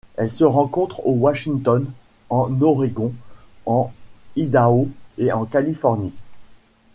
Elle se rencontre au Washington, en Oregon, en Idaho et en Californie.